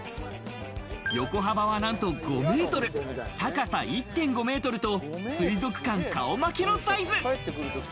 横幅は何と５ｍ、高さ１．５メートルと水族館顔負けのサイズ。